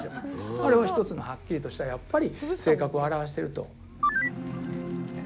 あれは一つのはっきりとした性格を表してると。